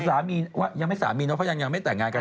สามีนว่าอยากให้สามีเนอะเพราะยังไม่ได้แตกงานกัน